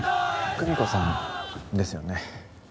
久美子さんですよね？